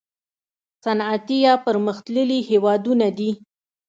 صنعتي یا پرمختللي هیوادونه دي.